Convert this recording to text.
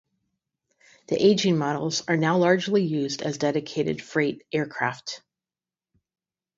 The aging models are now largely used as dedicated freight aircraft.